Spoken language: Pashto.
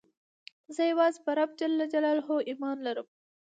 زه یوازي په رب ﷻ ایمان لرم.